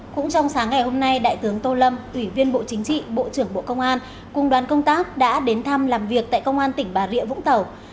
cũng trong sáng ngày hôm nay đại tướng tô lâm ủy viên bộ chính trị bộ trưởng bộ công an cùng đoàn công tác đã đến thăm làm việc tại công an tỉnh bà rịa vũng tàu